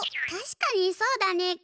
たしかにそうだね。